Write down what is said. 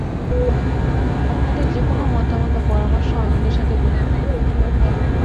আপনাদের যেকোনো মতামত বা পরামর্শ আনন্দের সাথে গ্রহন করবো।